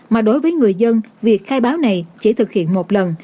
mà đối với người dân việc khai báo này chỉ thực hiện